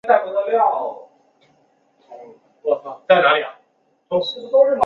非经许可不得停泊和下锚。